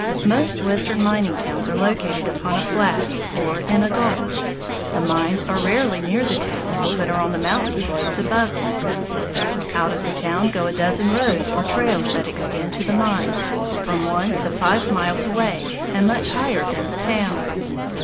Most Western mining towns are located upon a flat or in a gulch. The mines are rarely near the town, but are on the mountain slopes above it. Out of town go a dozen roads or trails that extend to the mines, from one to five miles away, and much higher than the town.